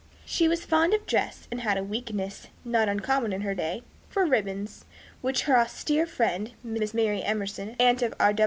She was fond of dress, and had a weakness, not uncommon in her day, for ribbons, which her austere friend, Miss Mary Emerson (aunt of R.